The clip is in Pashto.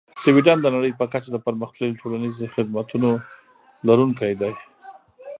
سویدن د نړۍ په کچه د پرمختللې ټولنیزې خدمتونو لرونکی دی.